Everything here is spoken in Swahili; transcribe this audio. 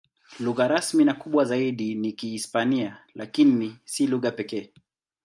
Lugha rasmi na kubwa zaidi ni Kihispania, lakini si lugha pekee.